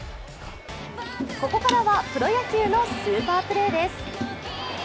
ここからはプロ野球のスーパープレーです。